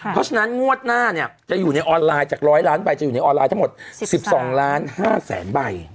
เพราะฉะนั้นงวดหน้าเนี่ยจะอยู่ในออนไลน์จาก๑๐๐ล้านใบจะอยู่ในออนไลน์ทั้งหมด๑๒ล้าน๕แสนใบ